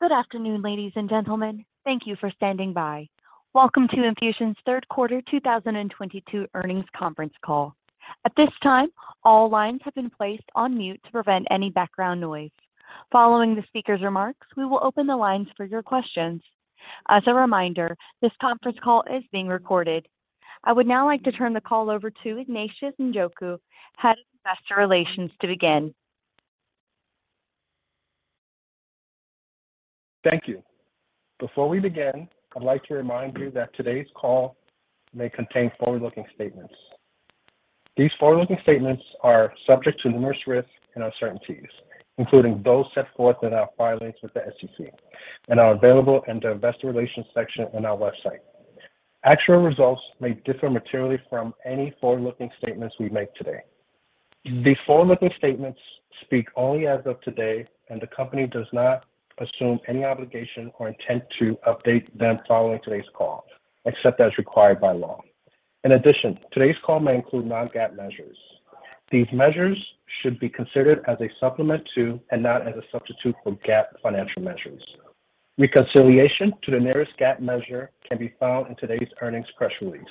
Good afternoon, ladies and gentlemen. Thank you for standing by. Welcome to Enfusion's Third Quarter 2022 Earnings Conference Call. At this time, all lines have been placed on mute to prevent any background noise. Following the speaker's remarks, we will open the lines for your questions. As a reminder, this conference call is being recorded. I would now like to turn the call over to Ignatius Njoku, Head of Investor Relations, to begin. Thank you. Before we begin, I'd like to remind you that today's call may contain forward-looking statements. These forward-looking statements are subject to numerous risks and uncertainties, including those set forth in our filings with the SEC, and are available in the Investor Relations section on our website. Actual results may differ materially from any forward-looking statements we make today. These forward-looking statements speak only as of today, and the company does not assume any obligation or intent to update them following today's call, except as required by law. In addition, today's call may include non-GAAP measures. These measures should be considered as a supplement to, and not as a substitute for, GAAP financial measures. Reconciliation to the nearest GAAP measure can be found in today's earnings press release,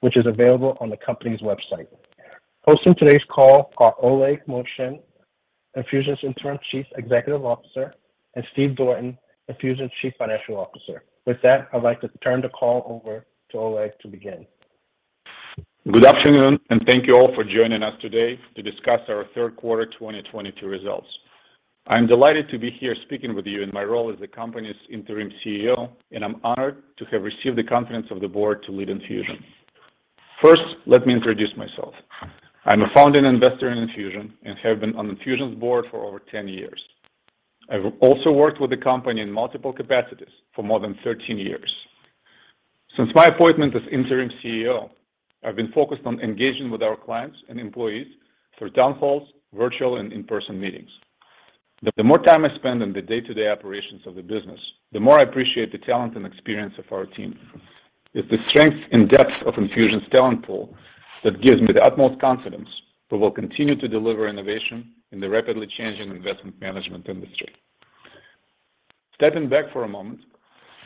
which is available on the company's website. Hosting today's call are Oleg Movchan, Enfusion's Interim Chief Executive Officer, and Steve Dorton, Enfusion's Chief Financial Officer. With that, I'd like to turn the call over to Oleg to begin. Good afternoon, and thank you all for joining us today to discuss our third quarter 2022 results. I'm delighted to be here speaking with you in my role as the company's Interim CEO, and I'm honored to have received the confidence of the board to lead Enfusion. First, let me introduce myself. I'm a founding investor in Enfusion and have been on Enfusion's board for over 10 years. I've also worked with the company in multiple capacities for more than 13 years. Since my appointment as Interim CEO, I've been focused on engaging with our clients and employees through town halls, virtual, and in-person meetings. The more time I spend on the day-to-day operations of the business, the more I appreciate the talent and experience of our team. It's the strength and depth of Enfusion's talent pool that gives me the utmost confidence that we'll continue to deliver innovation in the rapidly changing investment management industry. Stepping back for a moment,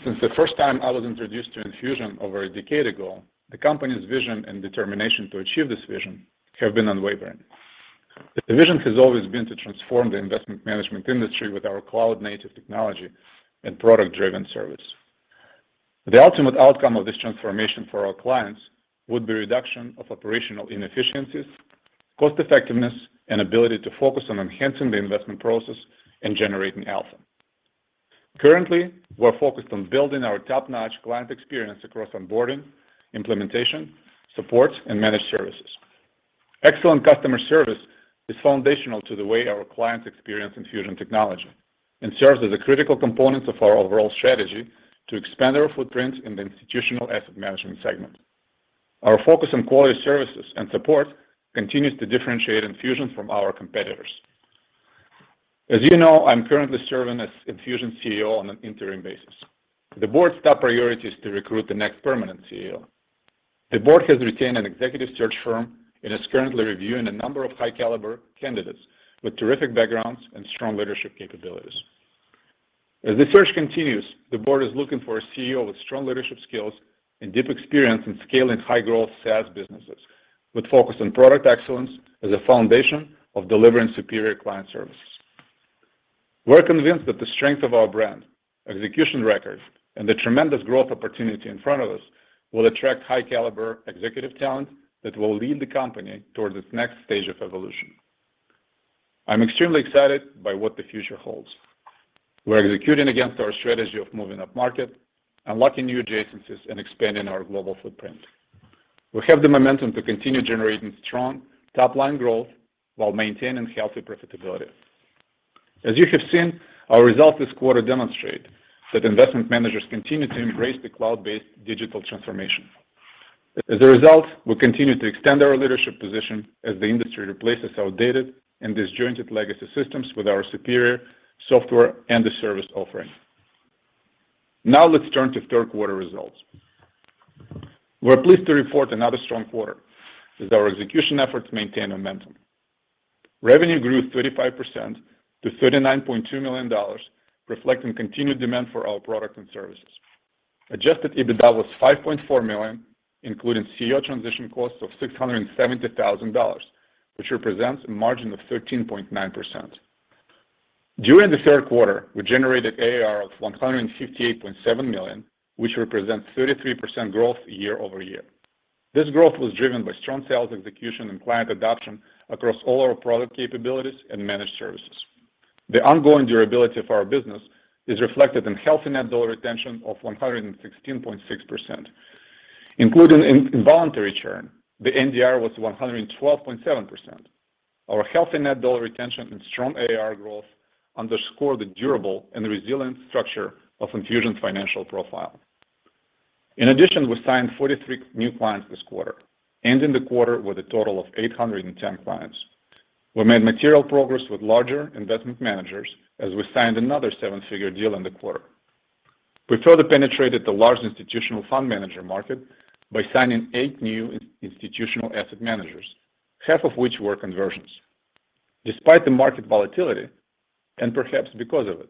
since the first time I was introduced to Enfusion over a decade ago, the company's vision and determination to achieve this vision have been unwavering. The vision has always been to transform the investment management industry with our cloud-native technology and product-driven service. The ultimate outcome of this transformation for our clients would be reduction of operational inefficiencies, cost-effectiveness, and ability to focus on enhancing the investment process and generating alpha. Currently, we're focused on building our top-notch client experience across onboarding, implementation, support, and Managed Services. Excellent customer service is foundational to the way our clients experience Enfusion technology and serves as a critical component of our overall strategy to expand our footprint in the institutional asset management segment. Our focus on quality services and support continues to differentiate Enfusion from our competitors. As you know, I'm currently serving as Enfusion's CEO on an interim basis. The board's top priority is to recruit the next permanent CEO. The board has retained an executive search firm and is currently reviewing a number of high-caliber candidates with terrific backgrounds and strong leadership capabilities. As the search continues, the board is looking for a CEO with strong leadership skills and deep experience in scaling high-growth SaaS businesses, with focus on product excellence as a foundation of delivering superior client services. We're convinced that the strength of our brand, execution record, and the tremendous growth opportunity in front of us will attract high-caliber executive talent that will lead the company towards its next stage of evolution. I'm extremely excited by what the future holds. We're executing against our strategy of moving upmarket, unlocking new adjacencies, and expanding our global footprint. We have the momentum to continue generating strong top-line growth while maintaining healthy profitability. As you have seen, our results this quarter demonstrate that investment managers continue to embrace the cloud-based digital transformation. As a result, we continue to extend our leadership position as the industry replaces outdated and disjointed legacy systems with our superior software and the service offering. Now let's turn to third quarter results. We're pleased to report another strong quarter as our execution efforts maintain momentum. Revenue grew 35% to $39.2 million, reflecting continued demand for our product and services. Adjusted EBITDA was $5.4 million, including CEO transition costs of $670,000, which represents a margin of 13.9%. During the third quarter, we generated ARR of $158.7 million, which represents 33% growth year-over-year. This growth was driven by strong sales execution and client adoption across all our product capabilities and managed services. The ongoing durability of our business is reflected in healthy net dollar retention of 116.6%. Including involuntary churn, the NDR was 112.7%. Our healthy net dollar retention and strong ARR growth underscore the durable and resilient structure of Enfusion's financial profile. In addition, we signed 43 new clients this quarter, ending the quarter with a total of 810 clients. We made material progress with larger investment managers as we signed another seven-figure deal in the quarter. We further penetrated the large institutional fund manager market by signing eight new institutional asset managers, half of which were conversions. Despite the market volatility, and perhaps because of it,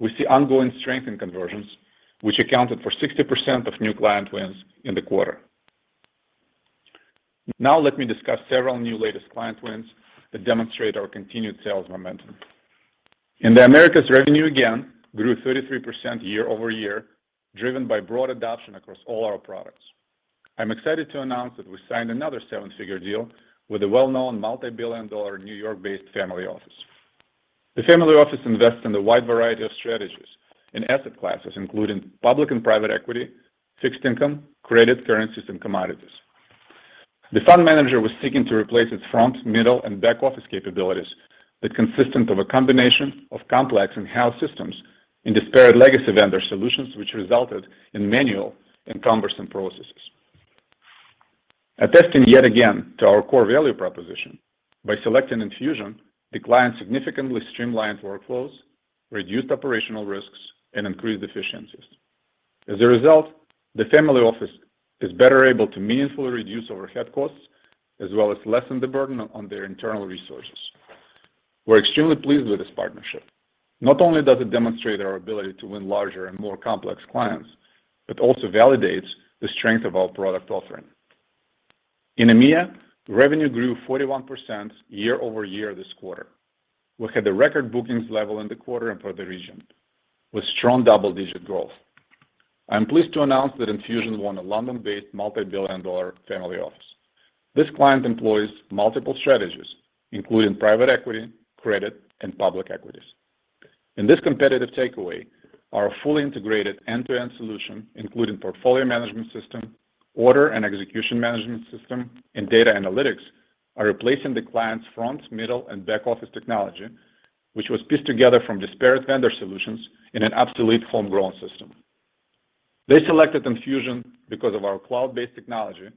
we see ongoing strength in conversions, which accounted for 60% of new client wins in the quarter. Now let me discuss several new latest client wins that demonstrate our continued sales momentum. In the Americas, revenue again grew 33% year-over-year, driven by broad adoption across all our products. I'm excited to announce that we signed another 7-figure deal with a well-known multi-billion-dollar New York-based family office. The family office invests in a wide variety of strategies and asset classes, including public and private equity, fixed income, credit, currencies, and commodities. The fund manager was seeking to replace its front, middle, and back-office capabilities that consisted of a combination of complex in-house systems and disparate legacy vendor solutions, which resulted in manual and cumbersome processes. Attesting yet again to our core value proposition, by selecting Enfusion, the client significantly streamlined workflows, reduced operational risks, and increased efficiencies. As a result, the family office is better able to meaningfully reduce overhead costs as well as lessen the burden on their internal resources. We're extremely pleased with this partnership. Not only does it demonstrate our ability to win larger and more complex clients, but also validates the strength of our product offering. In EMEA, revenue grew 41% year-over-year this quarter. We had a record bookings level in the quarter and for the region with strong double-digit growth. I'm pleased to announce that Enfusion won a London-based multi-billion dollar family office. This client employs multiple strategies, including private equity, credit, and public equities. In this competitive takeaway, our fully integrated end-to-end solution, including portfolio management system, order and execution management system, and data analytics, are replacing the client's front, middle, and back office technology, which was pieced together from disparate vendor solutions in an obsolete homegrown system. They selected Enfusion because of our cloud-based technology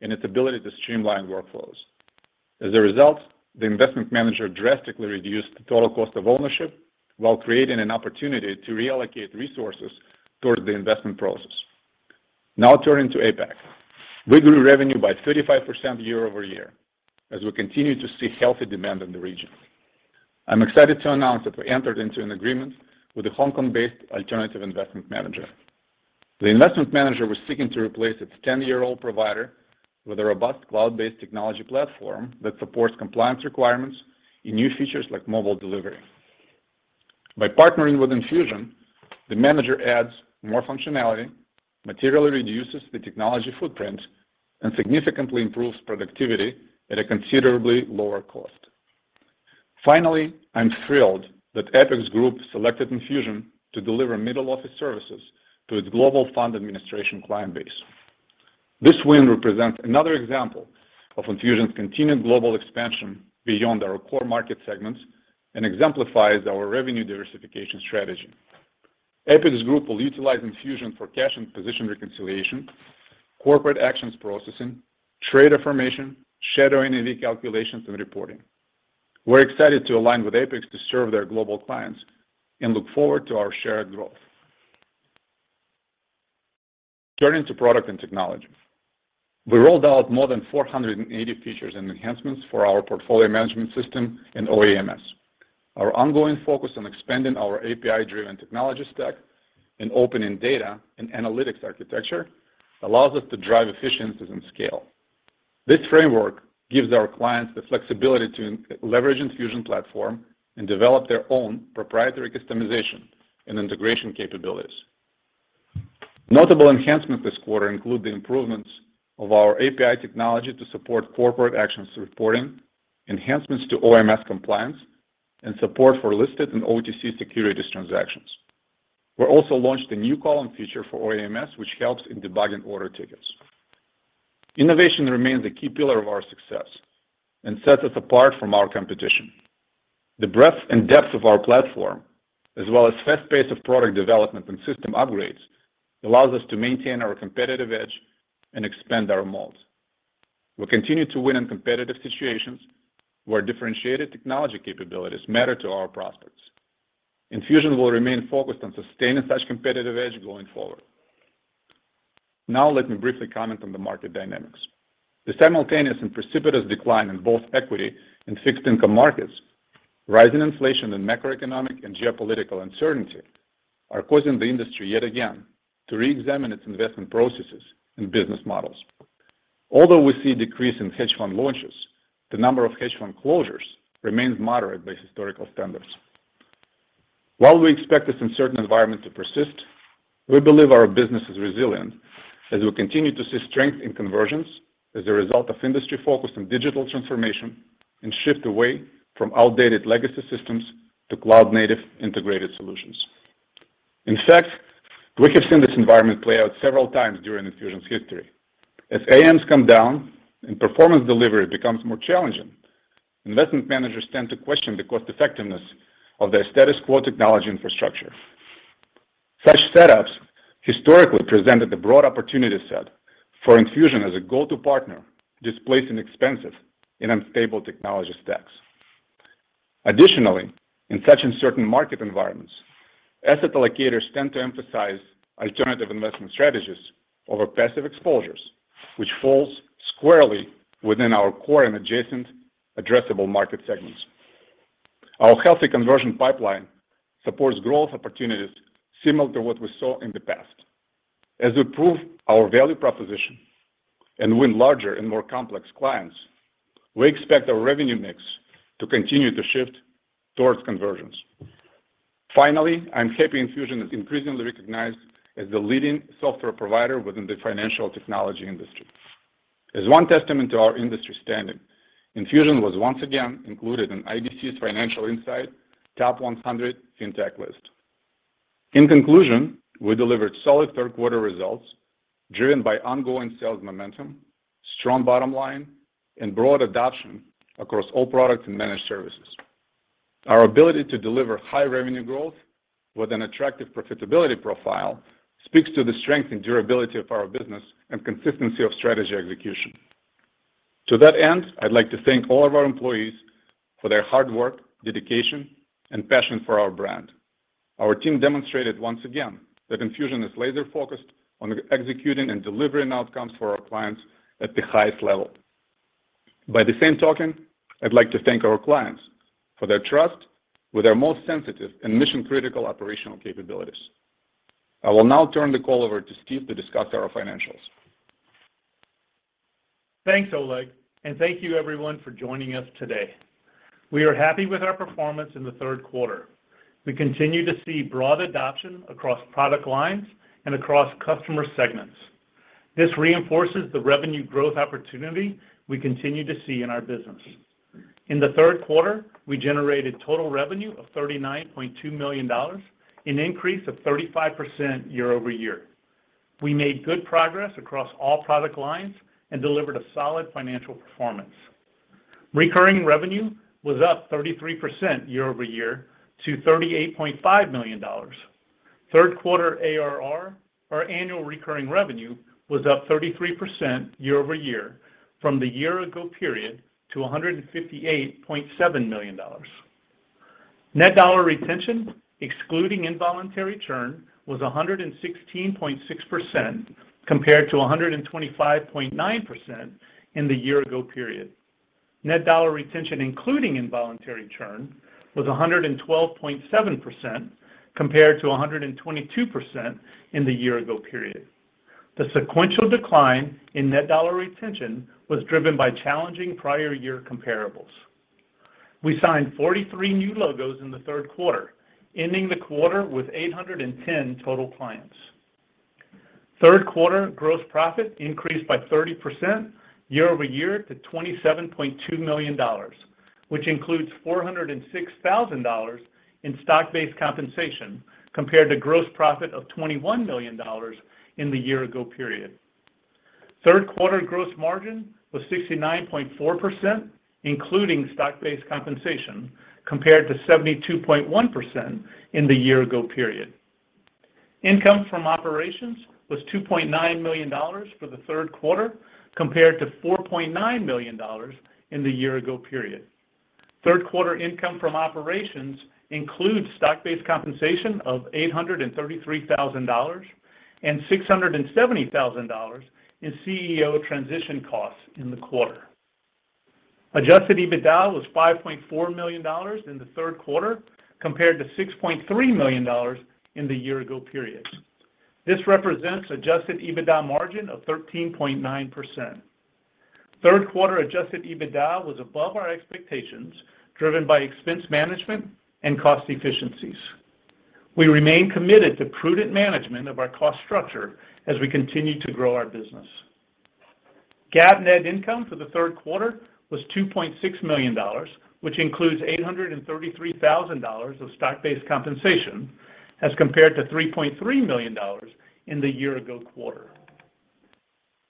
and its ability to streamline workflows. As a result, the investment manager drastically reduced the total cost of ownership while creating an opportunity to reallocate resources towards the investment process. Now turning to APAC. We grew revenue by 35% year-over-year as we continue to see healthy demand in the region. I'm excited to announce that we entered into an agreement with a Hong Kong-based alternative investment manager. The investment manager was seeking to replace its ten-year-old provider with a robust cloud-based technology platform that supports compliance requirements in new features like mobile delivery. By partnering with Enfusion, the manager adds more functionality, materially reduces the technology footprint, and significantly improves productivity at a considerably lower cost. Finally, I'm thrilled that Apex Group selected Enfusion to deliver middle-office services to its global fund administration client base. This win represents another example of Enfusion's continued global expansion beyond our core market segments and exemplifies our revenue diversification strategy. Apex Group will utilize Enfusion for cash and position reconciliation, corporate actions processing, trade affirmation, shadowing and recalculations, and reporting. We're excited to align with Apex to serve their global clients and look forward to our shared growth. Turning to product and technology. We rolled out more than 480 features and enhancements for our portfolio management system and OEMS. Our ongoing focus on expanding our API-driven technology stack and opening data and analytics architecture allows us to drive efficiencies and scale. This framework gives our clients the flexibility to leverage Enfusion platform and develop their own proprietary customization and integration capabilities. Notable enhancements this quarter include the improvements of our API technology to support corporate actions reporting, enhancements to OMS compliance, and support for listed and OTC securities transactions. We also launched a new column feature for OMS, which helps in debugging order tickets. Innovation remains a key pillar of our success and sets us apart from our competition. The breadth and depth of our platform, as well as fast pace of product development and system upgrades, allows us to maintain our competitive edge and expand our moat. We continue to win in competitive situations where differentiated technology capabilities matter to our prospects. Enfusion will remain focused on sustaining such competitive edge going forward. Now let me briefly comment on the market dynamics. The simultaneous and precipitous decline in both equity and fixed income markets, rising inflation and macroeconomic and geopolitical uncertainty are causing the industry yet again to reexamine its investment processes and business models. Although we see a decrease in hedge fund launches, the number of hedge fund closures remains moderate by historical standards. While we expect this uncertain environment to persist, we believe our business is resilient as we continue to see strength in conversions as a result of industry focus on digital transformation and shift away from outdated legacy systems to cloud-native integrated solutions. In fact, we have seen this environment play out several times during Enfusion's history. As AMs come down and performance delivery becomes more challenging, investment managers tend to question the cost-effectiveness of their status quo technology infrastructure. Such setups historically presented a broad opportunity set for Enfusion as a go-to partner, displacing expensive and unstable technology stacks. Additionally, in such uncertain market environments, asset allocators tend to emphasize alternative investment strategies over passive exposures, which falls squarely within our core and adjacent addressable market segments. Our healthy conversion pipeline supports growth opportunities similar to what we saw in the past. As we prove our value proposition and win larger and more complex clients, we expect our revenue mix to continue to shift towards conversions. Finally, I'm happy Enfusion is increasingly recognized as the leading software provider within the financial technology industry. As one testament to our industry standing, Enfusion was once again included in IDC's FinTech Rankings Top 100. In conclusion, we delivered solid third quarter results driven by ongoing sales momentum, strong bottom line, and broad adoption across all products and managed services. Our ability to deliver high revenue growth with an attractive profitability profile speaks to the strength and durability of our business and consistency of strategy execution. To that end, I'd like to thank all of our employees for their hard work, dedication, and passion for our brand. Our team demonstrated once again that Enfusion is laser-focused on executing and delivering outcomes for our clients at the highest level. By the same token, I'd like to thank our clients for their trust with their most sensitive and mission-critical operational capabilities. I will now turn the call over to Steve to discuss our financials. Thanks, Oleg, and thank you everyone for joining us today. We are happy with our performance in the third quarter. We continue to see broad adoption across product lines and across customer segments. This reinforces the revenue growth opportunity we continue to see in our business. In the third quarter, we generated total revenue of $39.2 million, an increase of 35% year-over-year. We made good progress across all product lines and delivered a solid financial performance. Recurring revenue was up 33% year-over-year to $38.5 million. Third quarter ARR, our annual recurring revenue, was up 33% year-over-year from the year ago period to $158.7 million. Net dollar retention, excluding involuntary churn, was 116.6% compared to 125.9% in the year ago period. Net dollar retention including involuntary churn was 112.7% compared to 122% in the year ago period. The sequential decline in net dollar retention was driven by challenging prior year comparables. We signed 43 new logos in the third quarter, ending the quarter with 810 total clients. Third quarter gross profit increased by 30% year-over-year to $27.2 million, which includes $406,000 in stock-based compensation compared to gross profit of $21 million in the year ago period. Third quarter gross margin was 69.4%, including stock-based compensation, compared to 72.1% in the year ago period. Income from operations was $2.9 million for the third quarter compared to $4.9 million in the year ago period. Third quarter income from operations includes stock-based compensation of $833,000 and $670,000 in CEO transition costs in the quarter. Adjusted EBITDA was $5.4 million in the third quarter compared to $6.3 million in the year ago period. This represents adjusted EBITDA margin of 13.9%. Third quarter adjusted EBITDA was above our expectations, driven by expense management and cost efficiencies. We remain committed to prudent management of our cost structure as we continue to grow our business. GAAP net income for the third quarter was $2.6 million, which includes $833,000 of stock-based compensation as compared to $3.3 million in the year ago quarter.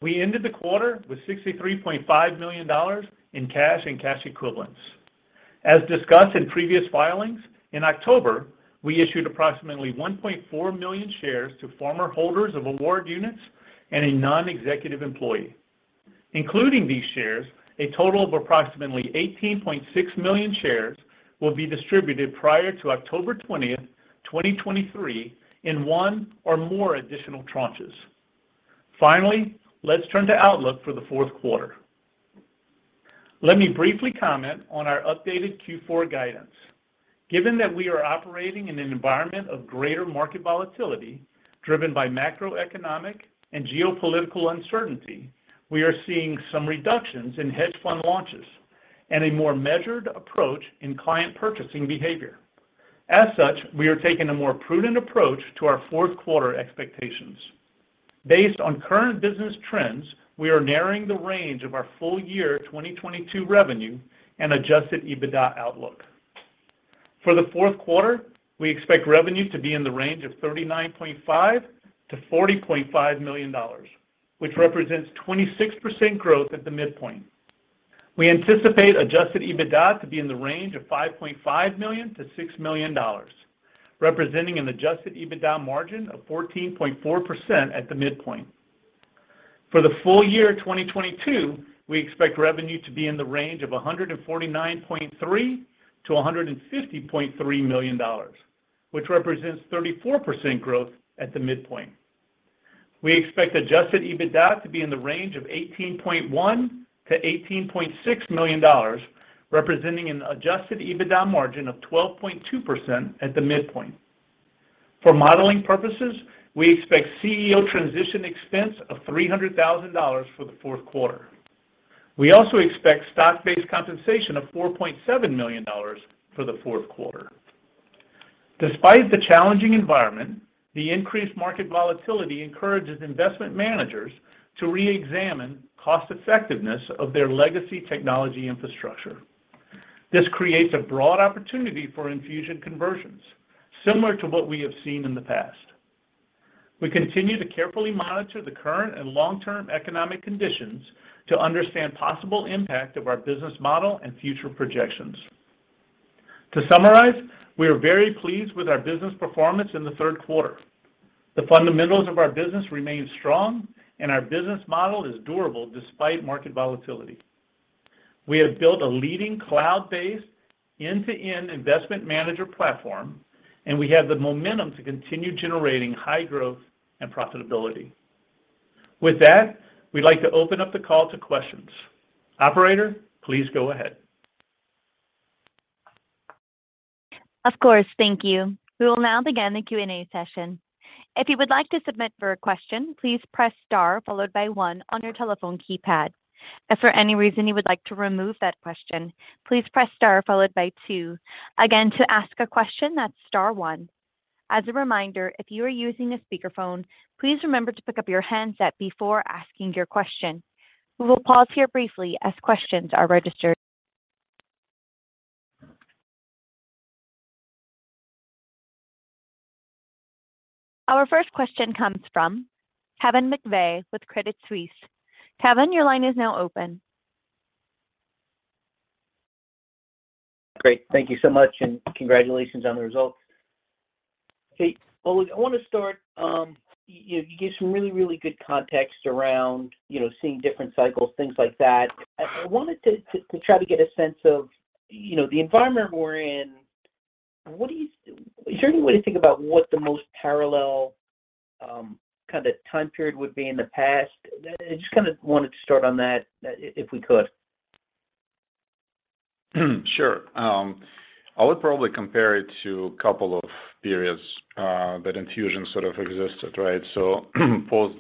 We ended the quarter with $63.5 million in cash and cash equivalents. As discussed in previous filings, in October, we issued approximately 1.4 million shares to former holders of award units and a non-executive employee. Including these shares, a total of approximately 18.6 million shares will be distributed prior to October 20th, 2023 in one or more additional tranches. Finally, let's turn to outlook for the fourth quarter. Let me briefly comment on our updated Q4 guidance. Given that we are operating in an environment of greater market volatility driven by macroeconomic and geopolitical uncertainty, we are seeing some reductions in hedge fund launches and a more measured approach in client purchasing behavior. As such, we are taking a more prudent approach to our fourth quarter expectations. Based on current business trends, we are narrowing the range of our full-year 2022 revenue and adjusted EBITDA outlook. For the fourth quarter, we expect revenue to be in the range of $39.5 million-$40.5 million, which represents 26% growth at the midpoint. We anticipate adjusted EBITDA to be in the range of $5.5 million-$6 million, representing an adjusted EBITDA margin of 14.4% at the midpoint. For the full-year 2022, we expect revenue to be in the range of $149.3 million-$150.3 million, which represents 34% growth at the midpoint. We expect adjusted EBITDA to be in the range of $18.1 million-$18.6 million, representing an adjusted EBITDA margin of 12.2% at the midpoint. For modeling purposes, we expect CEO transition expense of $300,000 for the fourth quarter. We also expect stock-based compensation of $4.7 million for the fourth quarter. Despite the challenging environment, the increased market volatility encourages investment managers to reexamine cost effectiveness of their legacy technology infrastructure. This creates a broad opportunity for Enfusion conversions similar to what we have seen in the past. We continue to carefully monitor the current and long-term economic conditions to understand possible impact of our business model and future projections. To summarize, we are very pleased with our business performance in the third quarter. The fundamentals of our business remain strong and our business model is durable despite market volatility. We have built a leading cloud-based end-to-end investment manager platform, and we have the momentum to continue generating high growth and profitability. With that, we'd like to open up the call to questions. Operator, please go ahead. Of course. Thank you. We'll now begin the Q&A session. If you would like to submit for a question, please press star followed by one on your telephone keypad. If for any reason you would like to remove that question, please press star followed by two. Again, to ask a question, that's star one. As a reminder, if you are using a speakerphone, please remember to pick up your handset before asking your question. We'll pause here briefly as questions are registered. Our first question comes from Kevin McVeigh with Credit Suisse. Kevin, your line is now open. Great. Thank you so much, and congratulations on the results. Hey, Oleg, I wanna start. You gave some really good context around, you know, seeing different cycles, things like that. I wanted to try to get a sense of, you know, the environment we're in. Is there any way to think about what the most parallel kinda time period would be in the past? I just kinda wanted to start on that, if we could. Sure. I would probably compare it to a couple of periods that Enfusion sort of existed, right? Post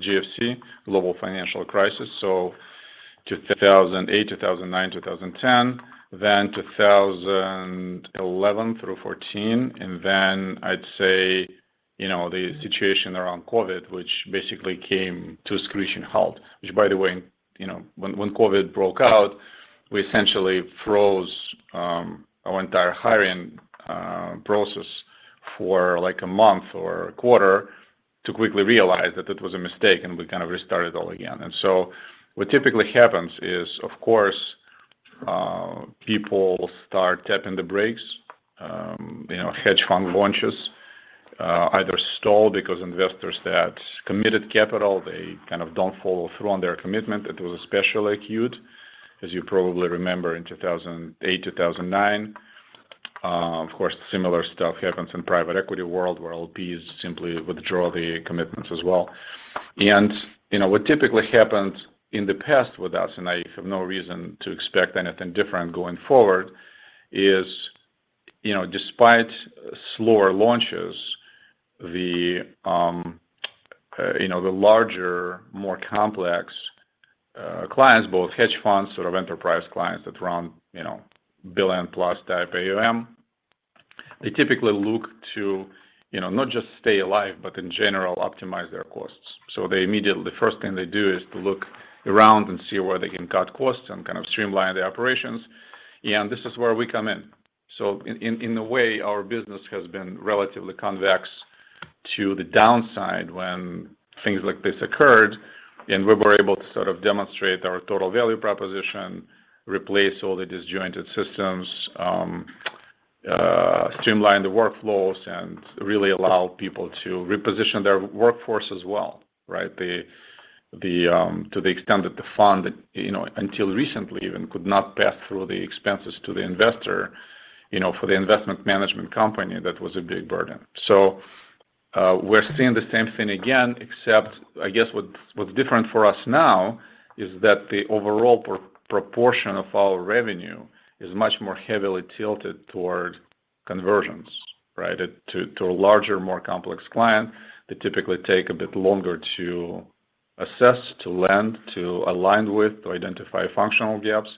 GFC, global financial crisis, so 2008, 2009, 2010, then 2011 through 2014, and then I'd say, you know, the situation around COVID, which basically came to a screeching halt, which by the way, you know, when COVID broke out, we essentially froze our entire hiring process for like a month or a quarter to quickly realize that it was a mistake, and we kind of restarted all again. What typically happens is, of course, people start tapping the brakes, you know, hedge fund launches either stall because investors that committed capital, they kind of don't follow through on their commitment. It was especially acute, as you probably remember, in 2008, 2009. Of course, similar stuff happens in private equity world, where LPs simply withdraw the commitments as well. What typically happens in the past with us, and I have no reason to expect anything different going forward, is, you know, despite slower launches, the larger, more complex clients, both hedge funds, sort of enterprise clients that run, you know, billion-plus type AUM, they typically look to, you know, not just stay alive, but in general optimize their costs. They immediately, the first thing they do is to look around and see where they can cut costs and kind of streamline the operations, and this is where we come in. In a way, our business has been relatively convex to the downside when things like this occurred, and we were able to sort of demonstrate our total value proposition, replace all the disjointed systems, streamline the workflows, and really allow people to reposition their workforce as well, right? To the extent that the fund, you know, until recently even could not pass through the expenses to the investor, you know, for the investment management company, that was a big burden. We're seeing the same thing again, except I guess what's different for us now is that the overall proportion of our revenue is much more heavily tilted toward conversions, right? To a larger, more complex client that typically take a bit longer to assess, to lend, to align with, to identify functional gaps.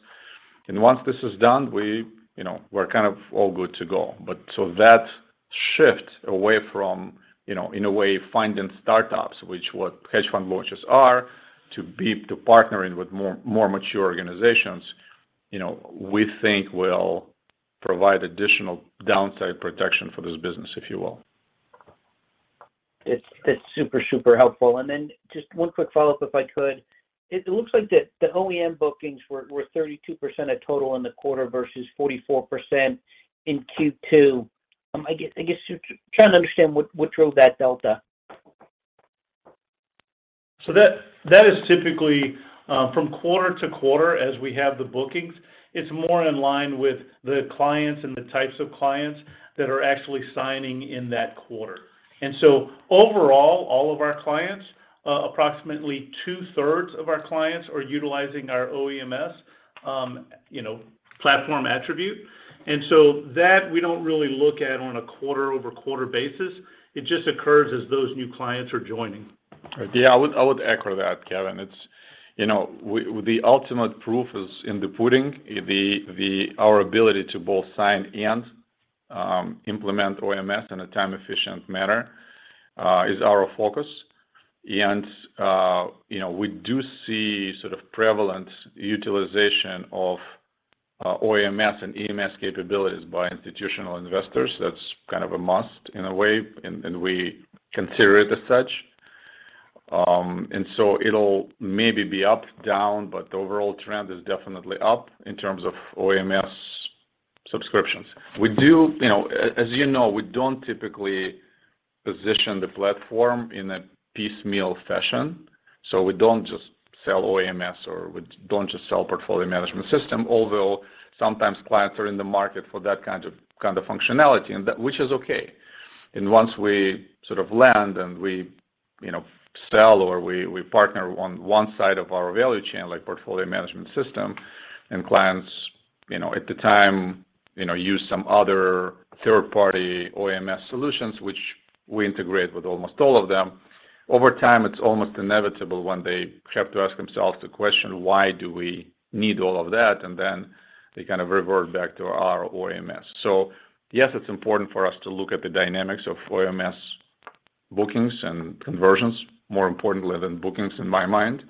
Once this is done, we, you know, we're kind of all good to go. That shift away from, you know, in a way finding startups, which what hedge fund launches are, to partnering with more mature organizations, you know, we think will provide additional downside protection for this business, if you will. It's super helpful. Then just one quick follow-up, if I could. It looks like the OEM bookings were 32% of total in the quarter versus 44% in Q2. I guess just trying to understand what drove that delta? That is typically from quarter to quarter as we have the bookings. It's more in line with the clients and the types of clients that are actually signing in that quarter. Overall, all of our clients, approximately 2/3 of our clients are utilizing our OEMS, you know, platform attribute. That we don't really look at on a quarter-over-quarter basis. It just occurs as those new clients are joining. Yeah, I would echo that, Kevin. It's, you know, the ultimate proof is in the pudding. Our ability to both sign and implement OMS in a time-efficient manner is our focus. You know, we do see sort of prevalent utilization of OEMS and EMS capabilities by institutional investors. That's kind of a must in a way, and we consider it as such. It'll maybe be up, down, but the overall trend is definitely up in terms of OEMS subscriptions. We do, you know, as you know, we don't typically position the platform in a piecemeal fashion. We don't just sell OEMS or we don't just sell Portfolio Management System, although sometimes clients are in the market for that kind of functionality, and that which is okay. Once we sort of land and we, you know, sell or we partner on one side of our value chain, like Portfolio Management System, and clients, you know, at the time, you know, use some other third-party OMS solutions, which we integrate with almost all of them. Over time, it's almost inevitable when they have to ask themselves the question, "Why do we need all of that?" Then they kind of revert back to our OMS. Yes, it's important for us to look at the dynamics of OMS bookings and conversions, more importantly than bookings in my mind,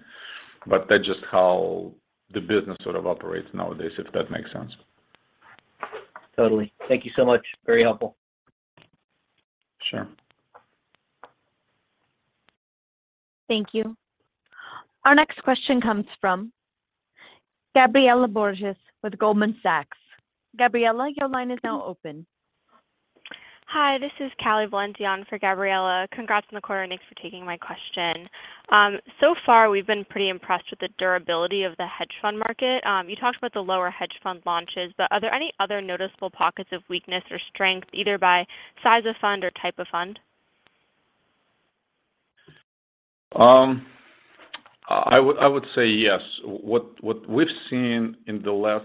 but that's just how the business sort of operates nowadays, if that makes sense. Totally. Thank you so much. Very helpful. Sure. Thank you. Our next question comes from Gabriela Borges with Goldman Sachs. Gabriela, your line is now open. Hi, this is Callie Valenti on for Gabriela. Congrats on the quarter, and thanks for taking my question. So far, we've been pretty impressed with the durability of the hedge fund market. You talked about the lower hedge fund launches, but are there any other noticeable pockets of weakness or strength, either by size of fund or type of fund? I would say yes. What we've seen in the last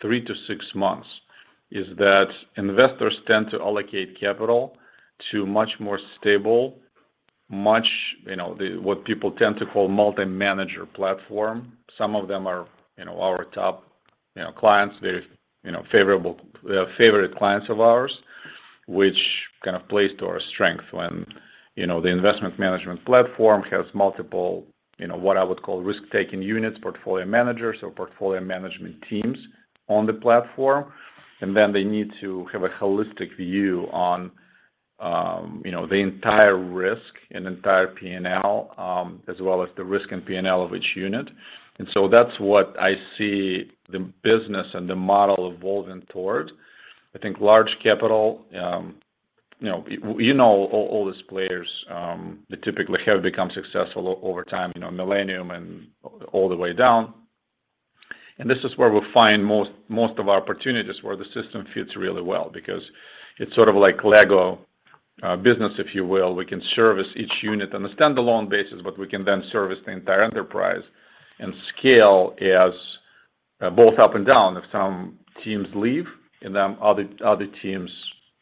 three-six months is that investors tend to allocate capital to much more stable, you know, what people tend to call multi-manager platform. Some of them are, you know, our top, you know, clients. They're, you know, they are favorite clients of ours, which kind of plays to our strength when, you know, the investment management platform has multiple, you know, what I would call risk-taking units, portfolio managers, or portfolio management teams on the platform. They need to have a holistic view on, you know, the entire risk and entire P&L, as well as the risk and P&L of each unit. That's what I see the business and the model evolving toward. I think large capital, you know all these players, they typically have become successful over time, you know, Millennium and all the way down. This is where we find most of our opportunities where the system fits really well because it's sort of like Lego business, if you will. We can service each unit on a standalone basis, but we can then service the entire enterprise and scale as both up and down. If some teams leave, and then other teams,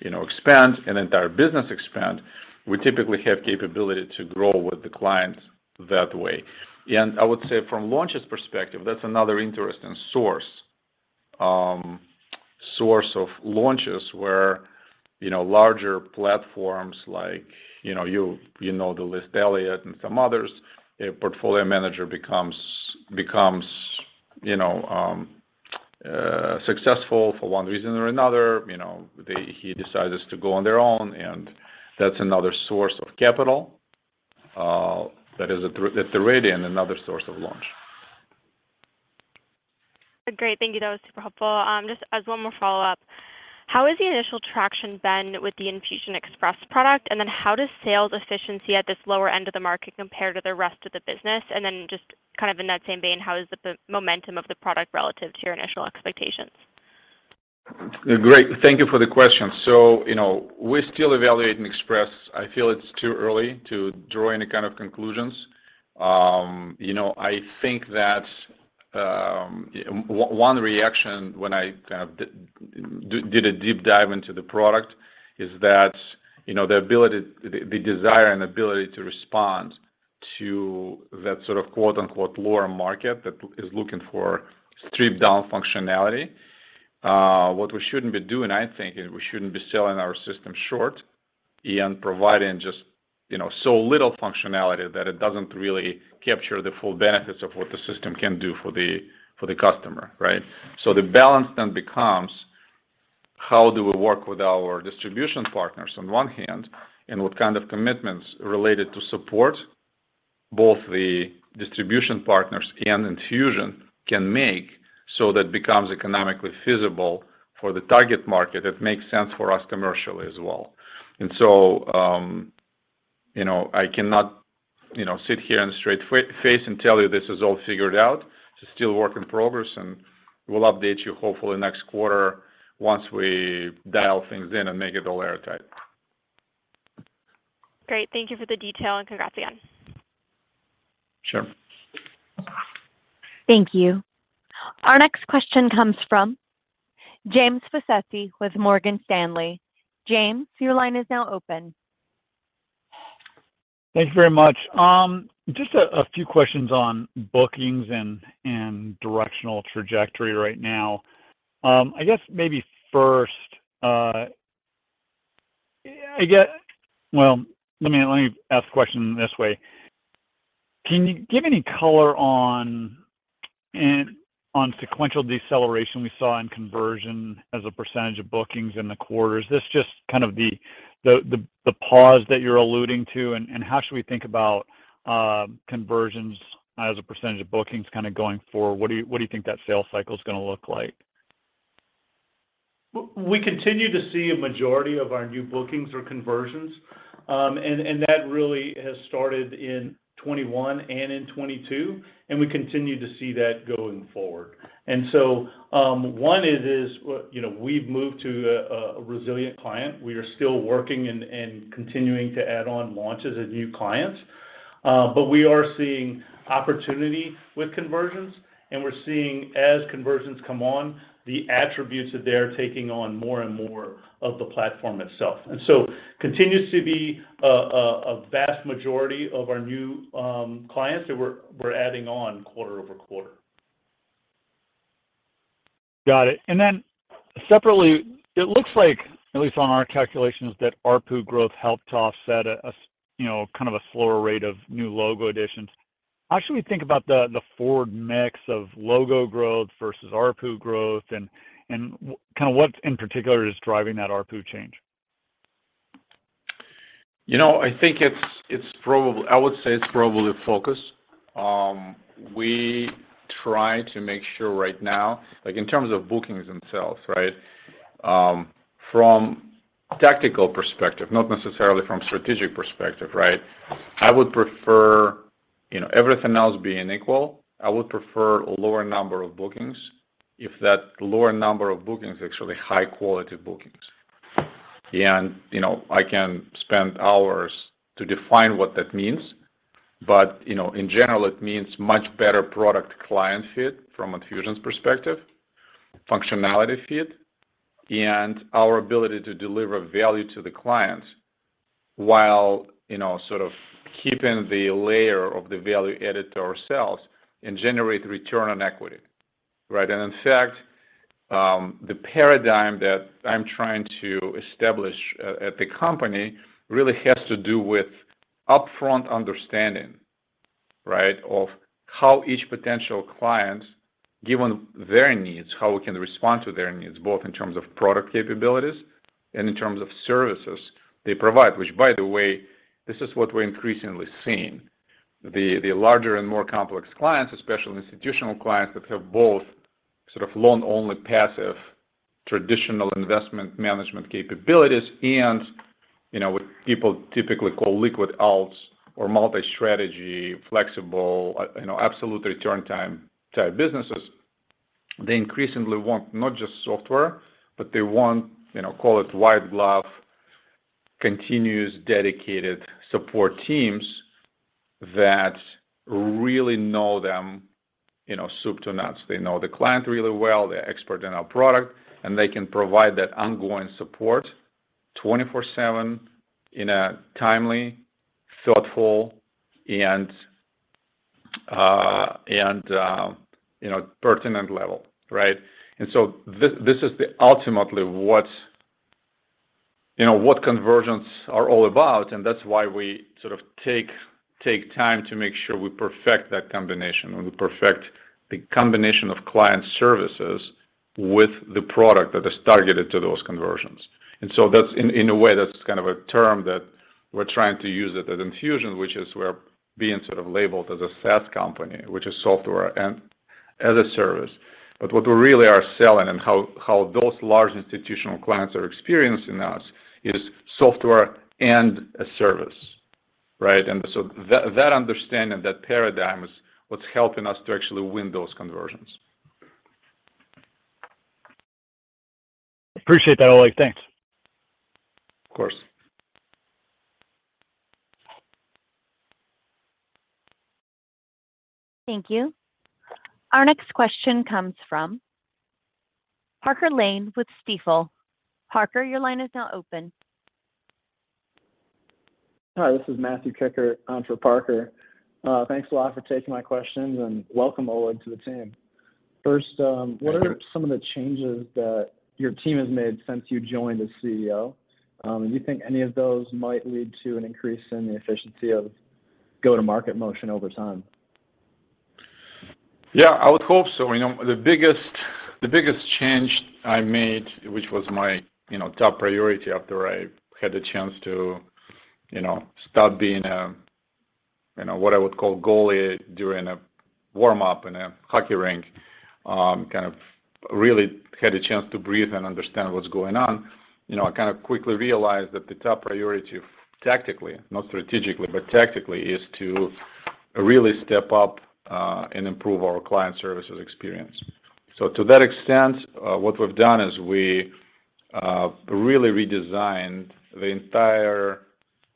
you know, expand, and entire business expand, we typically have capability to grow with the client that way. I would say from launches perspective, that's another interesting source of launches where, you know, larger platforms like, you know, you know the list, Elliott and some others, a portfolio manager becomes, you know, successful for one reason or another. You know, he decides to go on their own, and that's another source of capital that is at the ready, another source of launch. Great. Thank you. That was super helpful. Just as one more follow-up, how has the initial traction been with the Enfusion Express product? How does sales efficiency at this lower end of the market compare to the rest of the business? Just kind of in that same vein, how is the momentum of the product relative to your initial expectations? Great. Thank you for the question. You know, we're still evaluating Express. I feel it's too early to draw any kind of conclusions. You know, I think that one reaction when I did a deep dive into the product is that you know, the ability, the desire, and ability to respond to that sort of, quote-unquote, "lower market" that is looking for stripped-down functionality. What we shouldn't be doing, I think, is we shouldn't be selling our system short and providing just, you know, so little functionality that it doesn't really capture the full benefits of what the system can do for the customer, right? The balance then becomes how do we work with our distribution partners on one hand, and what kind of commitments related to support both the distribution partners and Enfusion can make so that becomes economically feasible for the target market. It makes sense for us commercially as well. You know, I cannot, you know, sit here and straight face and tell you this is all figured out. It's still a work in progress, and we'll update you hopefully next quarter once we dial things in and make it all airtight. Great. Thank you for the detail, and congrats again. Sure. Thank you. Our next question comes from James Faucette with Morgan Stanley. James, your line is now open. Thank you very much. Just a few questions on bookings and directional trajectory right now. I guess maybe first, well, let me ask the question this way. Can you give any color on sequential deceleration we saw in conversion as a percentage of bookings in the quarters? Is this just kind of the pause that you're alluding to? How should we think about conversions as a percentage of bookings kinda going forward? What do you think that sales cycle is gonna look like? We continue to see a majority of our new bookings or conversions, and that really has started in 2021 and in 2022, and we continue to see that going forward. One is, you know, we've moved to a resilient client. We are still working and continuing to add on launches and new clients. But we are seeing opportunity with conversions, and we're seeing as conversions come on, the attributes that they're taking on more and more of the platform itself. It continues to be a vast majority of our new clients that we're adding on quarter-over-quarter. Got it. Then separately, it looks like, at least on our calculations, that ARPU growth helped to offset a you know, kind of a slower rate of new logo additions. How should we think about the forward mix of logo growth versus ARPU growth? Kinda what in particular is driving that ARPU change? You know, I think it's probably focus. We try to make sure right now, like in terms of bookings themselves, right? From tactical perspective, not necessarily from strategic perspective, right? I would prefer, you know, everything else being equal, I would prefer a lower number of bookings if that lower number of bookings are actually high-quality bookings. You know, I can spend hours to define what that means. You know, in general, it means much better product-client fit from Enfusion's perspective, functionality fit, and our ability to deliver value to the clients while, you know, sort of keeping the layer of the value added to ourselves and generate return on equity, right? In fact, the paradigm that I'm trying to establish at the company really has to do with upfront understanding, right? Of how each potential client, given their needs, how we can respond to their needs, both in terms of product capabilities and in terms of services they provide, which, by the way, this is what we're increasingly seeing. The larger and more complex clients, especially institutional clients that have both sort of long-only passive traditional investment management capabilities and, you know, what people typically call liquid alts or multi-strategy, flexible, you know, absolute return time type businesses. They increasingly want not just software, but they want, you know, call it white glove, continuous dedicated support teams that really know them, you know, soup to nuts. They know the client really well, they're expert in our product, and they can provide that ongoing support twenty-four/seven in a timely, thoughtful, and, you know, pertinent level, right? This is ultimately what, you know, what conversions are all about, and that's why we sort of take time to make sure we perfect that combination and we perfect the combination of client services with the product that is targeted to those conversions. That's in a way, that's kind of a term that we're trying to use at Enfusion, which is we're being sort of labeled as a SaaS company, which is software as a service. What we really are selling and how those large institutional clients are experiencing us is software as a service, right? That understanding, that paradigm is what's helping us to actually win those conversions. Appreciate that, Oleg. Thanks. Of course. Thank you. Our next question comes from Parker Lane with Stifel. Parker, your line is now open. Hi, this is Matthew Kikkert on for Parker. Thanks a lot for taking my questions, and welcome, Oleg, to the team. First, what are some of the changes that your team has made since you joined as CEO? Do you think any of those might lead to an increase in the efficiency of go-to-market motion over time? Yeah, I would hope so. You know, the biggest change I made, which was my, you know, top priority after I had the chance to, you know, stop being a, you know, what I would call goalie during a warm-up in a hockey rink, kind of really had a chance to breathe and understand what's going on. You know, I kind of quickly realized that the top priority tactically, not strategically, but tactically, is to really step up and improve our client services experience. To that extent, what we've done is we really redesigned the entire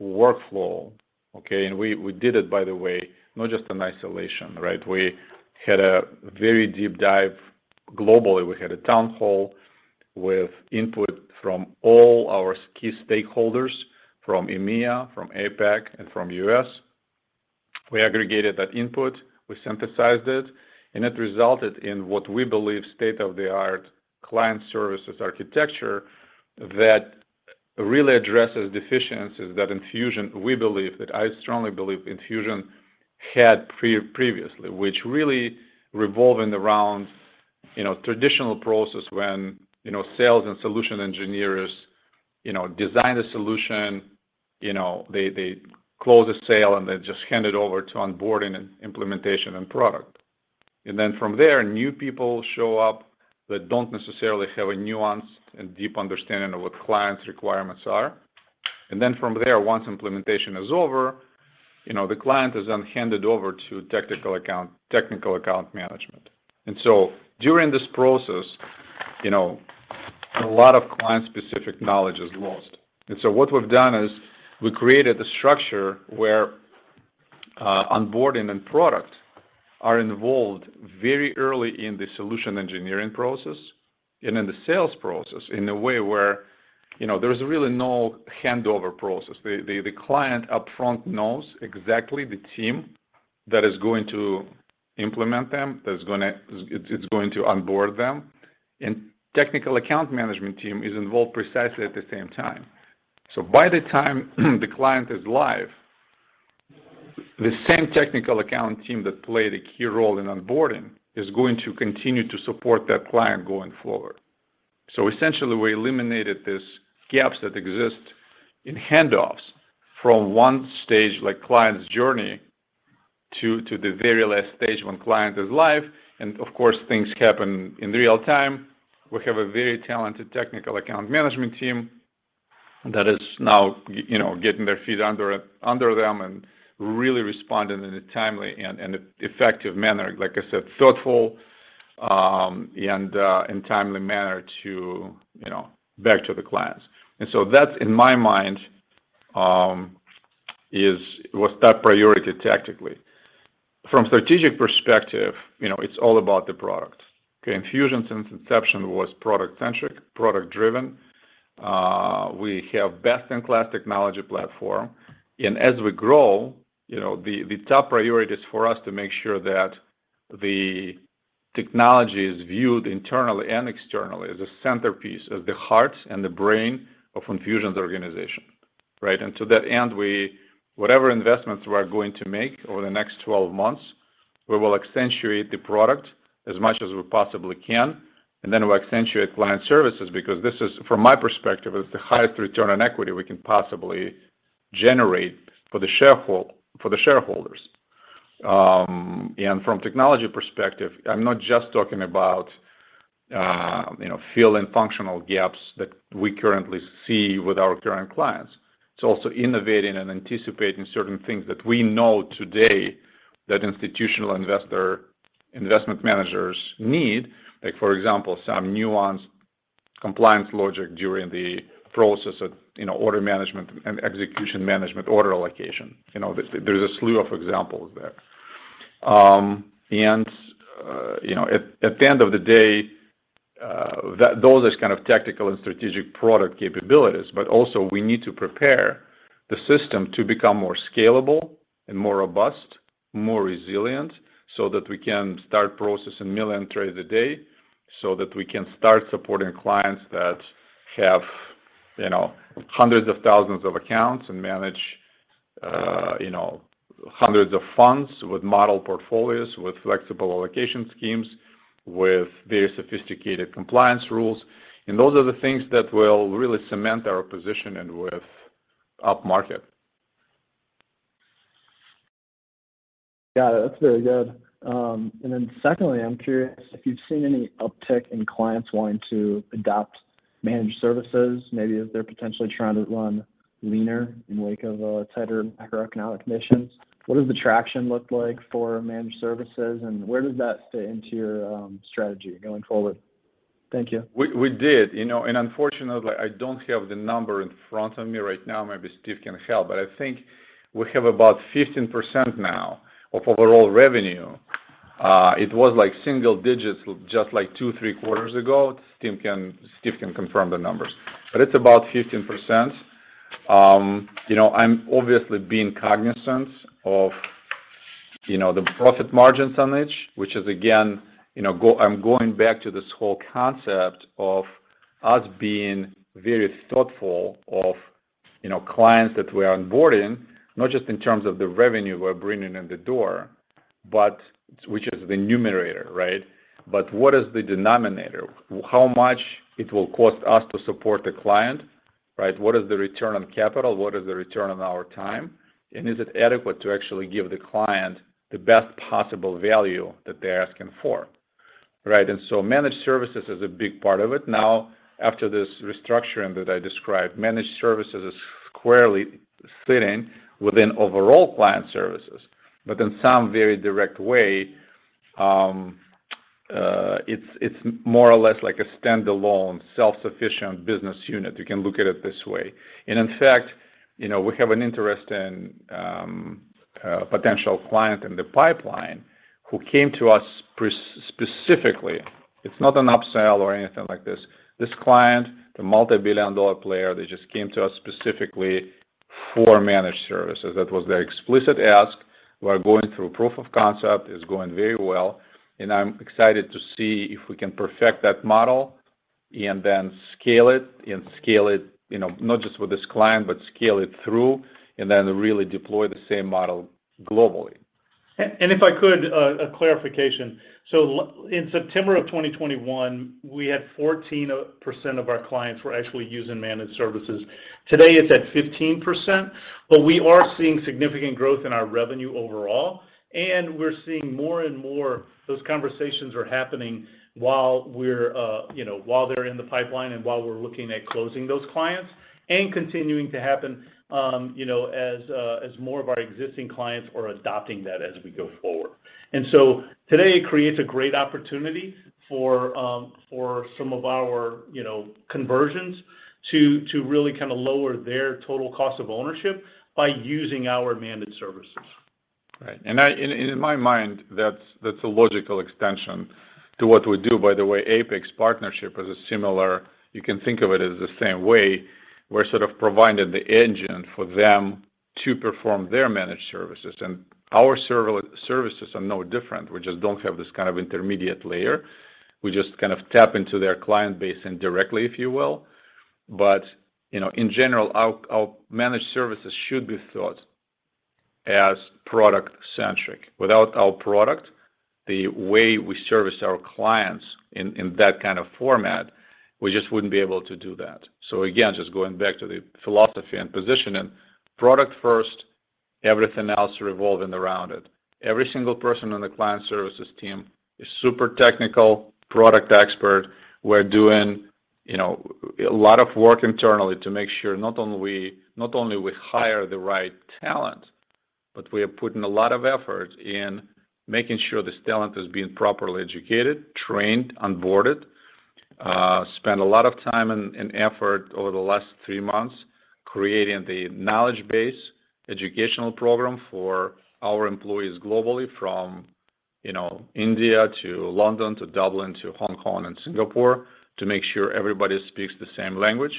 workflow, okay? We did it, by the way, not just in isolation, right? We had a very deep dive globally. We had a town hall with input from all our key stakeholders from EMEA, from APAC, and from U.S.. We aggregated that input, we synthesized it, and it resulted in what we believe state-of-the-art client services architecture that really addresses deficiencies that Enfusion, we believe, that I strongly believe Enfusion had previously, which really revolved around, you know, traditional processes when, you know, sales and solution engineers, you know, design a solution, you know, they close a sale, and they just hand it over to onboarding and implementation and product. Then from there, new people show up that don't necessarily have a nuanced and deep understanding of what client's requirements are. Then from there, once implementation is over, you know, the client is then handed over to technical account management. During this process, you know, a lot of client-specific knowledge is lost. What we've done is we created a structure where onboarding and product are involved very early in the solution engineering process and in the sales process in a way where, you know, there's really no handover process. The client upfront knows exactly the team that is going to implement them, that's going to onboard them, and technical account management team is involved precisely at the same time. By the time the client is live, the same technical account team that played a key role in onboarding is going to continue to support that client going forward. Essentially, we eliminated these gaps that exist in handoffs from one stage, like client's journey, to the very last stage when client is live, and of course, things happen in real time. We have a very talented technical account management team that is now getting their feet under them and really responding in a timely and effective manner. Like I said, thoughtful and timely manner to, you know, back to the clients. That, in my mind, was top priority tactically. From strategic perspective, you know, it's all about the product, okay? Enfusion since inception was product-centric, product-driven. We have best-in-class technology platform. As we grow, you know, the top priority is for us to make sure that the technology is viewed internally and externally as a centerpiece of the heart and the brain of Enfusion's organization, right? To that end, we Whatever investments we are going to make over the next 12 months, we will accentuate the product as much as we possibly can, and then we'll accentuate client services because this is, from my perspective, the highest return on equity we can possibly generate for the shareholders. From technology perspective, I'm not just talking about, you know, filling functional gaps that we currently see with our current clients. It's also innovating and anticipating certain things that we know today that institutional investor, investment managers need. Like for example, some nuanced compliance logic during the process of, you know, order management and execution management, order allocation. You know, there's a slew of examples there. You know, at the end of the day, those are kind of tactical and strategic product capabilities, but also we need to prepare the system to become more scalable and more robust, more resilient, so that we can start processing 1 million trades a day, so that we can start supporting clients that have, you know, hundreds of thousands of accounts and manage, you know, hundreds of funds with model portfolios, with flexible allocation schemes, with very sophisticated compliance rules. Those are the things that will really cement our position and move upmarket. Got it, that's very good. Secondly, I'm curious if you've seen any uptick in clients wanting to adopt Managed Services, maybe as they're potentially trying to run leaner in wake of tighter macroeconomic conditions. What does the traction look like for Managed Services, and where does that fit into your strategy going forward? Thank you. We did. You know, unfortunately, I don't have the number in front of me right now. Maybe Steve can help. I think we have about 15% now of overall revenue. It was like single-digits just two, three quarters ago. Steve can confirm the numbers, but it's about 15%. You know, I'm obviously being cognizant of, you know, the profit margins on each, which is again, you know, I'm going back to this whole concept of us being very thoughtful of you know, clients that we are onboarding, not just in terms of the revenue we're bringing in the door, but which is the numerator, right? What is the denominator? How much it will cost us to support the client, right? What is the return on capital? What is the return on our time? Is it adequate to actually give the client the best possible value that they're asking for, right? Managed Services is a big part of it. Now, after this restructuring that I described, Managed Services is squarely sitting within overall client services. But in some very direct way, it's more or less like a standalone self-sufficient business unit. You can look at it this way. In fact, we have an interesting potential client in the pipeline who came to us specifically. It's not an upsell or anything like this. This client, the multi-billion-dollar player, they just came to us specifically for Managed Services. That was their explicit ask. We are going through proof of concept. It's going very well, and I'm excited to see if we can perfect that model and then scale it, you know, not just with this client, but scale it through, and then really deploy the same model globally. If I could, a clarification. In September 2021, we had 14% of our clients were actually using Managed Services. Today, it's at 15%, but we are seeing significant growth in our revenue overall, and we're seeing more and more those conversations are happening while we're, you know, while they're in the pipeline and while we're looking at closing those clients and continuing to happen, you know, as more of our existing clients are adopting that as we go forward. Today, it creates a great opportunity for some of our, you know, conversions to really kind of lower their total cost of ownership by using our Managed Services. Right. In my mind, that's a logical extension to what we do. By the way, Apex partnership is similar. You can think of it as the same way. We're sort of providing the engine for them to perform their managed services. Our services are no different. We just don't have this kind of intermediate layer. We just kind of tap into their client base indirectly, if you will. You know, in general, our managed services should be thought as product-centric. Without our product, the way we service our clients in that kind of format, we just wouldn't be able to do that. Again, just going back to the philosophy and positioning, product first, everything else revolving around it. Every single person on the client services team is super technical product expert. We're doing, you know, a lot of work internally to make sure not only we hire the right talent, but we are putting a lot of effort in making sure this talent is being properly educated, trained, onboarded, spend a lot of time and effort over the last three months creating the knowledge base educational program for our employees globally from, you know, India to London, to Dublin, to Hong Kong and Singapore to make sure everybody speaks the same language.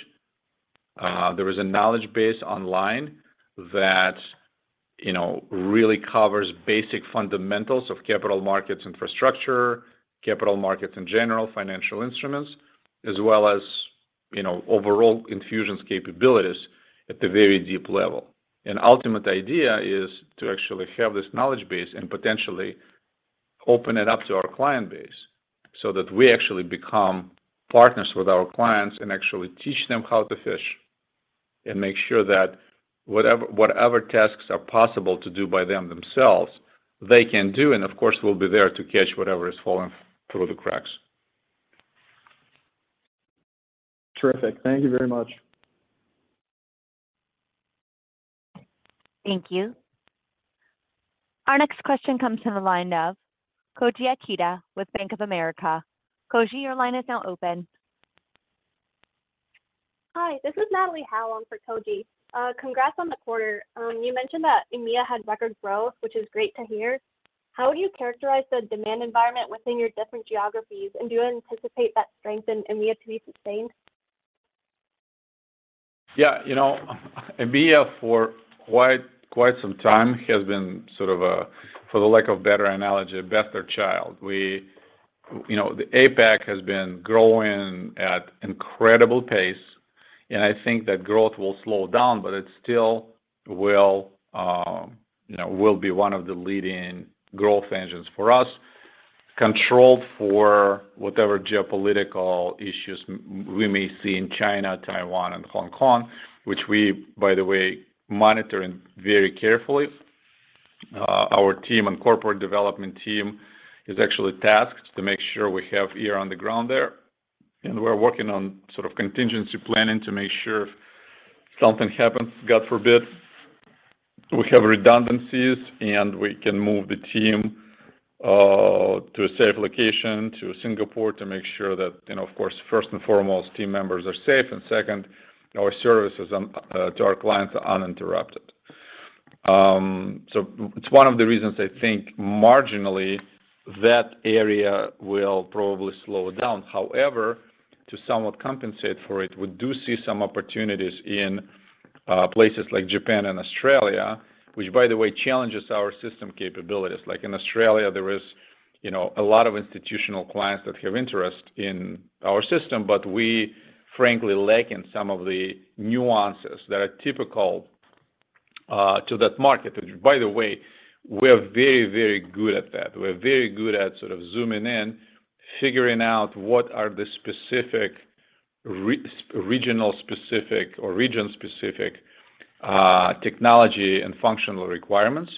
There is a knowledge base online that, you know, really covers basic fundamentals of capital markets infrastructure, capital markets in general, financial instruments, as well as, you know, overall Enfusion's capabilities at the very deep level. Ultimate idea is to actually have this knowledge base and potentially open it up to our client base so that we actually become partners with our clients and actually teach them how to fish and make sure that whatever tasks are possible to do by them themselves, they can do, and of course, we'll be there to catch whatever is falling through the cracks. Terrific. Thank you very much. Thank you. Our next question comes from the line of Koji Ikeda with Bank of America. Koji, your line is now open. Hi, this is Natalie Howe on for Koji. Congrats on the quarter. You mentioned that EMEA had record growth, which is great to hear. How do you characterize the demand environment within your different geographies, and do you anticipate that strength in EMEA to be sustained? Yeah. You know, EMEA for quite some time has been sort of a, for lack of a better analogy, a stepchild. You know, the APAC has been growing at incredible pace, and I think that growth will slow down, but it still will, you know, will be one of the leading growth engines for us, controlled for whatever geopolitical issues we may see in China, Taiwan, and Hong Kong, which we, by the way, monitoring very carefully. Our team and corporate development team is actually tasked to make sure we have ear to the ground there, and we're working on sort of contingency planning to make sure if something happens, God forbid, we have redundancies, and we can move the team to a safe location, to Singapore to make sure that, you know, of course, first and foremost, team members are safe, and second, our services to our clients are uninterrupted. It's one of the reasons I think marginally that area will probably slow down. However, to somewhat compensate for it, we do see some opportunities in places like Japan and Australia, which by the way challenges our system capabilities. Like in Australia, there is, you know, a lot of institutional clients that have interest in our system, but we frankly lack in some of the nuances that are typical to that market. Which by the way, we're very, very good at that. We're very good at sort of zooming in, figuring out what are the specific regional specific or region specific technology and functional requirements.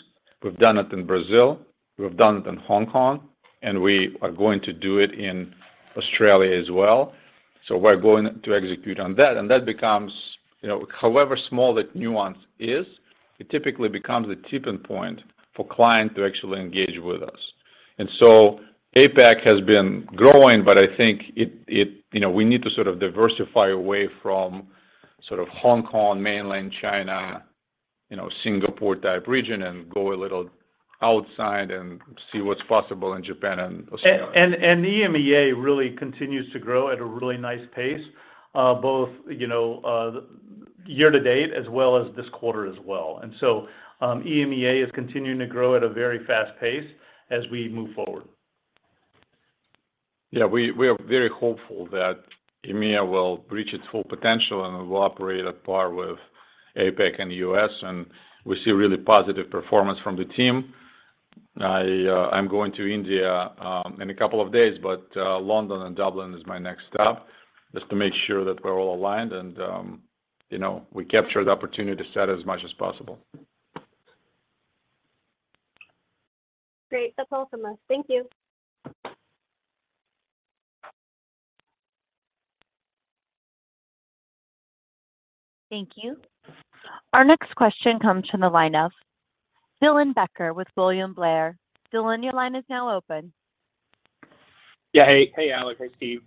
We've done it in Brazil, we've done it in Hong Kong, and we are going to do it in Australia as well. We're going to execute on that. That becomes, you know, however small the nuance is, it typically becomes a tipping point for clients to actually engage with us. APAC has been growing, but I think it. You know, we need to sort of diversify away from sort of Hong Kong, mainland China, you know, Singapore type region and go a little outside and see what's possible in Japan and Australia. EMEA really continues to grow at a really nice pace, both you know year-to-date as well as this quarter as well. EMEA is continuing to grow at a very fast pace as we move forward. Yeah. We are very hopeful that EMEA will reach its full potential and will operate at par with APAC and U.S., and we see really positive performance from the team. I'm going to India in a couple of days, but London and Dublin is my next stop, just to make sure that we're all aligned and you know, we capture the opportunity to set as much as possible. Great. That's all from us. Thank you. Thank you. Our next question comes from the line of Dylan Becker with William Blair. Dylan, your line is now open. Yeah. Hey Oleg. Hey Steve.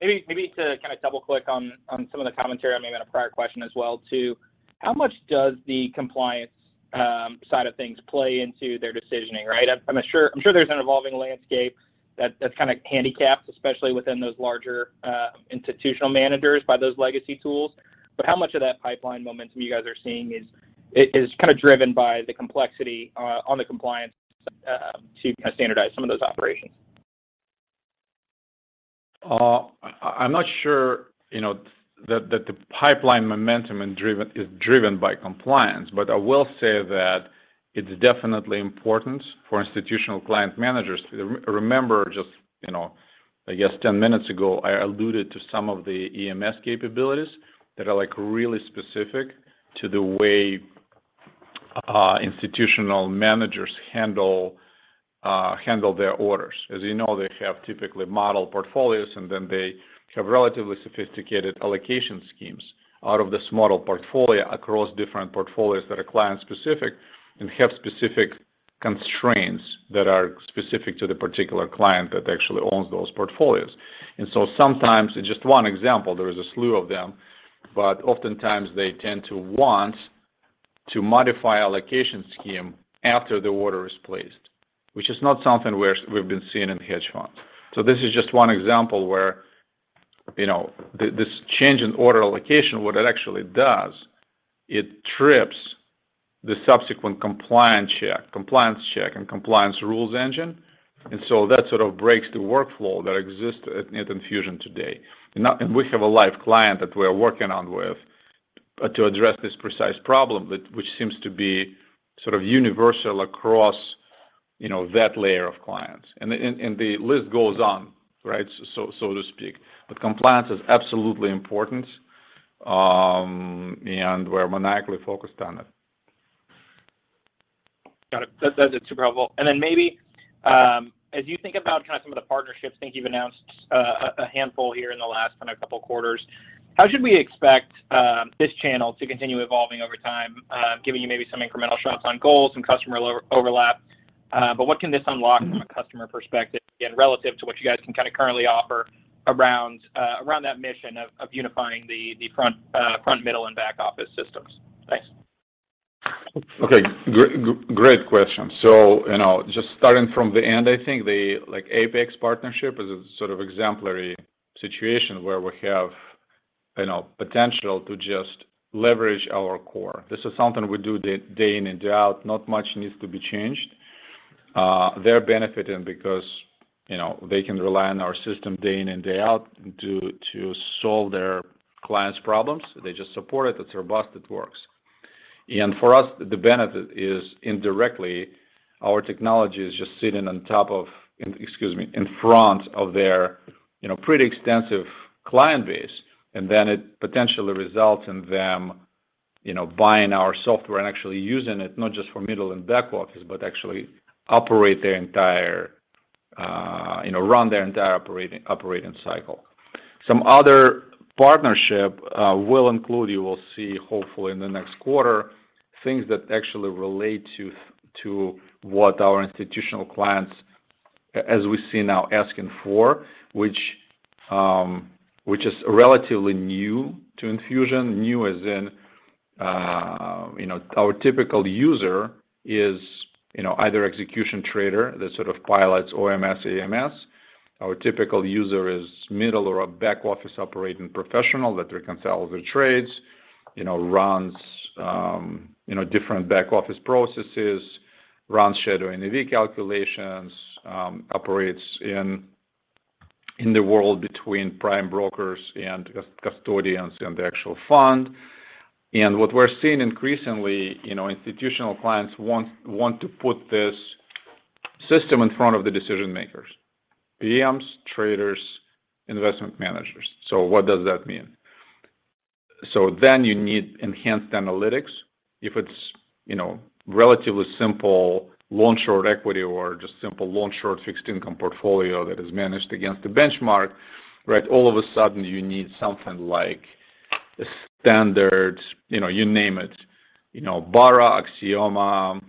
Maybe to kind of double click on some of the commentary, maybe on a prior question as well too, how much does the compliance side of things play into their decisioning, right? I'm sure there's an evolving landscape that's kind of handicapped, especially within those larger institutional managers by those legacy tools. How much of that pipeline momentum you guys are seeing is kind of driven by the complexity on the compliance to kind of standardize some of those operations? I'm not sure, you know, that the pipeline momentum is driven by compliance, but I will say that it's definitely important for institutional client managers to remember just, you know, I guess 10 minutes ago, I alluded to some of the EMS capabilities that are like really specific to the way institutional managers handle their orders. As you know, they have typically model portfolios, and then they have relatively sophisticated allocation schemes out of this model portfolio across different portfolios that are client specific and have specific constraints that are specific to the particular client that actually owns those portfolios. Sometimes, it's just one example, there is a slew of them, but oftentimes they tend to want to modify allocation scheme after the order is placed, which is not something we've been seeing in hedge funds. This is just one example where, you know, this change in order allocation, what it actually does, it trips the subsequent compliance check and compliance rules engine. That sort of breaks the workflow that exists at Enfusion today. We have a live client that we're working on with to address this precise problem, which seems to be sort of universal across, you know, that layer of clients and the list goes on, right? So to speak. Compliance is absolutely important, and we're maniacally focused on it. Got it. That's super helpful. Then maybe as you think about kind of some of the partnerships, think you've announced a handful here in the last kind of couple quarters, how should we expect this channel to continue evolving over time, giving you maybe some incremental shots on goals and customer overlap? But what can this unlock from a customer perspective, again, relative to what you guys can kind of currently offer around that mission of unifying the front, middle and back office systems? Thanks. Okay. Great question. You know, just starting from the end, I think the, like, Apex partnership is a sort of exemplary situation where we have, you know, potential to just leverage our core. This is something we do day in and day out. Not much needs to be changed. They're benefiting because, you know, they can rely on our system day in and day out to solve their clients' problems. They just support it's robust, it works. For us, the benefit is indirectly our technology is just sitting, excuse me, in front of their, you know, pretty extensive client base. Then it potentially results in them, you know, buying our software and actually using it not just for middle and back offices, but actually operate their entire, you know, run their entire operating cycle. Some other partnership will include. You will see hopefully in the next quarter things that actually relate to what our institutional clients as we see now asking for, which is relatively new to Enfusion. New as in, you know, our typical user is, you know, either execution trader that sort of pilots OMS, AMS. Our typical user is middle or back office operating professional that reconciles their trades, you know, runs, you know, different back office processes, runs shadowing NAV calculations, operates in the world between prime brokers and custodians and the actual fund. What we're seeing increasingly, you know, institutional clients want to put this system in front of the decision-makers, PMs, traders, investment managers. What does that mean? Then you need enhanced analytics. If it's, you know, relatively simple long, short equity or just simple long, short fixed income portfolio that is managed against the benchmark, right? All of a sudden you need something like the standards, you know, you name it, you know, Barra, Axioma,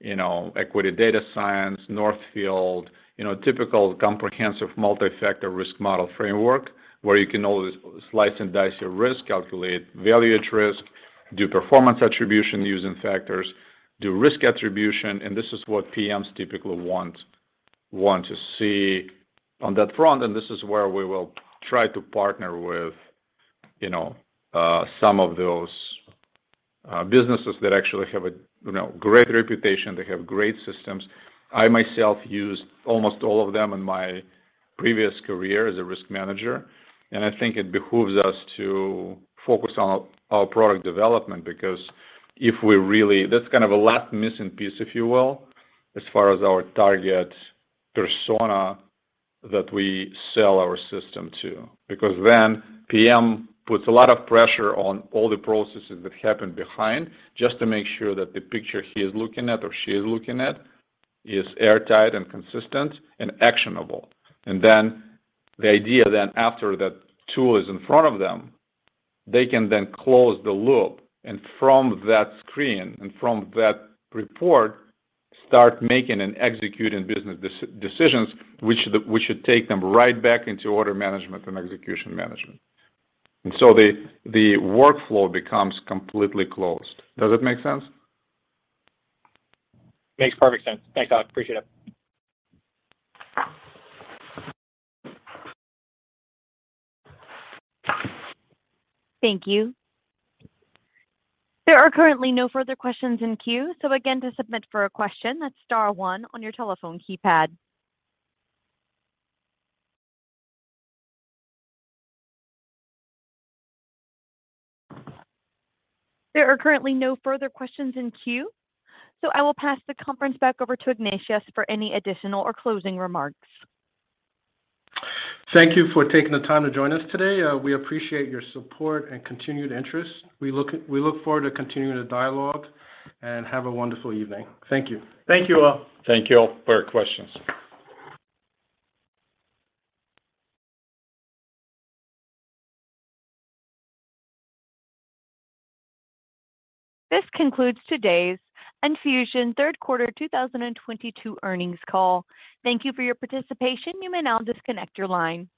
you know, Equity Data Science, Northfield, you know, typical comprehensive multi-factor risk model framework where you can always slice and dice your risk, calculate Value at Risk, do performance attribution using factors, do risk attribution. This is what PMs typically want to see on that front. This is where we will try to partner with, you know, some of those, businesses that actually have a, you know, great reputation. They have great systems. I myself used almost all of them in my previous career as a risk manager, and I think it behooves us to focus on our product development. That's kind of a last missing piece, if you will, as far as our target persona that we sell our system to, because then PM puts a lot of pressure on all the processes that happen behind just to make sure that the picture he is looking at or she is looking at is airtight and consistent and actionable. Then the idea then after that tool is in front of them, they can then close the loop and from that screen and from that report, start making and executing business decisions, which should take them right back into order management and execution management. The workflow becomes completely closed. Does that make sense? Makes perfect sense. Thanks, Oleg. Appreciate it. Thank you. There are currently no further questions in queue. Again, to submit a question, that's star one on your telephone keypad. There are currently no further questions in queue, so I will pass the conference back over to Ignatius for any additional or closing remarks. Thank you for taking the time to join us today. We appreciate your support and continued interest. We look forward to continuing the dialogue, and have a wonderful evening. Thank you. Thank you all. Thank you all for your questions. This concludes today's Enfusion third quarter 2022 earnings call. Thank you for your participation. You may now disconnect your line.